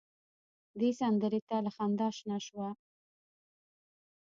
دې سندره ته له خندا شنه شوه.